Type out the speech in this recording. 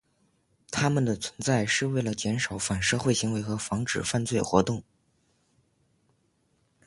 他们的存在是为了减少反社会行为和防止犯罪活动。